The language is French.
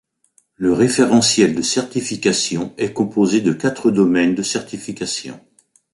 Le référentiel de certification est composé de quatre domaines de certification.